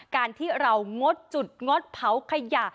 การที่เรางดจุดงดเผาขยะ